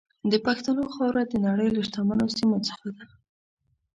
د پښتنو خاوره د نړۍ له شتمنو سیمو څخه ده.